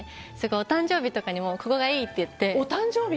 お誕生日とかにもここがいいって言って。